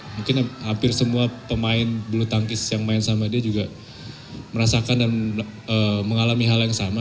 mungkin hampir semua pemain bulu tangkis yang main sama dia juga merasakan dan mengalami hal yang sama